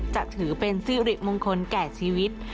จะถือเป็นสิริมงคลแก่ชีวิต